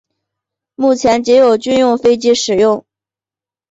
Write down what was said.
目前仅有军用飞机使用。